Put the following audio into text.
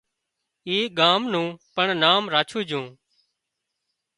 اي ڳام نُون پڻ نام راڇوُن جھون